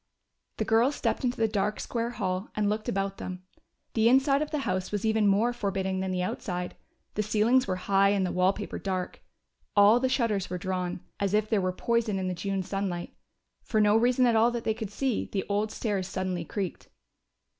The girls stepped into the dark square hall and looked about them. The inside of the house was even more forbidding than the outside. The ceilings were high and the wall paper dark. All the shutters were drawn, as if there were poison in the June sunlight. For no reason at all that they could see, the old stairs suddenly creaked.